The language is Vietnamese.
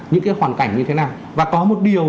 những cái hoàn cảnh như thế nào và có một điều